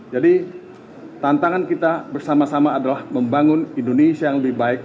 jadi tantangan kita bersama sama adalah membangun indonesia yang lebih baik